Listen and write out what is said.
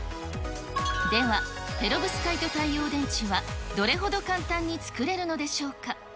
では、ペロブスカイト太陽電池はどれほど簡単に作れるのでしょうか。